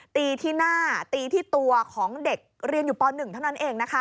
ตีที่หน้าตีที่ตัวของเด็กเรียนอยู่ป๑เท่านั้นเองนะคะ